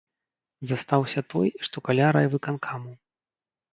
Застаўся той, што каля райвыканкаму.